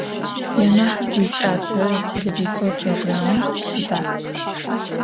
Янахь уикӏасэрэ телевизор програмыр сыда?